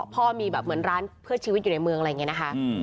พ่อมีแบบเหมือนร้านเพื่อชีวิตอยู่ในเมืองอะไรอย่างนี้นะคะ